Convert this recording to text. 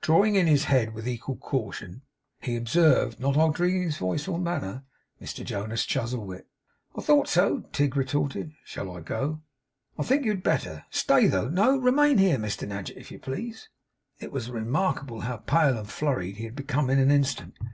Drawing in his head with equal caution, he observed, not altering his voice or manner: 'Mr Jonas Chuzzlewit!' 'I thought so,' Tigg retorted. 'Shall I go?' 'I think you had better. Stay though! No! remain here, Mr Nadgett, if you please.' It was remarkable how pale and flurried he had become in an instant.